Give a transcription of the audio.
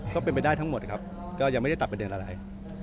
ก็เป็นไปได้ทั้งหมดครับก็ยังไม่ได้ตัดประเด็นอะไร